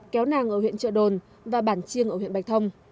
kéo nàng ở huyện trợ đồn và bản chiêng ở huyện bạch thông